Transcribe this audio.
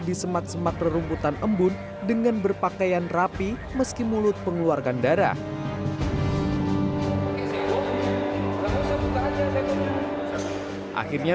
di semak semak rumputan embun dengan berpakaian rapi meski mulut pengeluarkan darah akhirnya